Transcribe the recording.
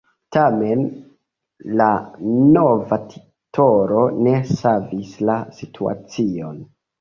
Tamen la nova titolo ne savis la situacion.